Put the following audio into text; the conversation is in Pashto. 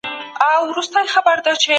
له بدو کارونو ډډه وکړئ.